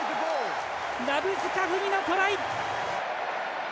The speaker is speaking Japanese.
ラブスカフニのトライ！